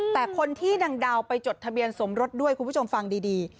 แต่คนที่นางดาวไปจดทะเบียนสมรสด้วยคุณผู้ชมฟังดี